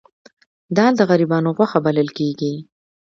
دال د غریبانو غوښه بلل کیږي